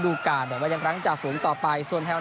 คือผมว่าใกล้เคียนที่สุดแล้ว